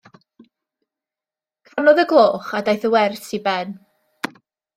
Canodd y gloch a daeth y wers i ben.